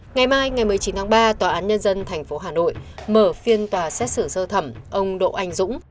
ngày mai ngày một mươi chín tháng ba tòa án nhân dân tp hà nội mở phiên tòa xét xử sơ thẩm ông đỗ anh dũng